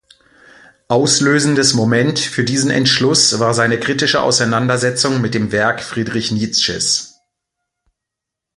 Auslösendes Moment für diesen Entschluss war seine kritische Auseinandersetzung mit dem Werk Friedrich Nietzsches.